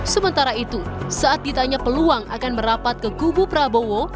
sementara itu saat ditanya peluang akan merapat ke kubu prabowo